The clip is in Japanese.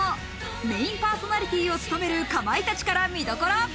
メインパーソナリティーを務める、かまいたちから見どころ。